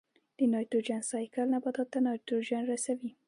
د نایټروجن سائیکل نباتاتو ته نایټروجن رسوي.